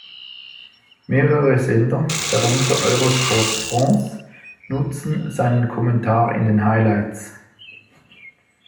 Mehrere Sender, darunter Eurosport France, nutzen seinen Kommentar in den Highlights.